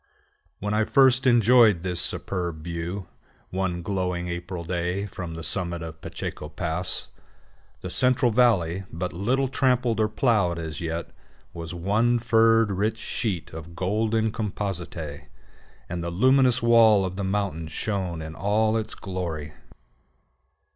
When I first enjoyed this superb view, one glowing April day, from the summit of the Pacheco Pass, the Central Valley, but little trampled or plowed as yet, was one furred, rich sheet of golden compositae, and the luminous wall of the mountains shone in all its glory.